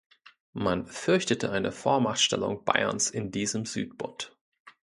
Man fürchtete eine Vormachtstellung Bayerns in diesem Südbund.